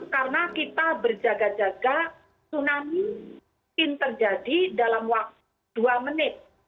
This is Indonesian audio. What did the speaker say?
karena kita berjaga jaga tsunami mungkin terjadi dalam waktu dua menit